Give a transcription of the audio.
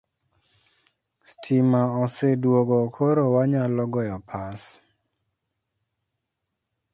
Stima oseduogo koro wanyalo goyo pas